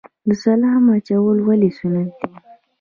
سلام اچول ولې سنت دي؟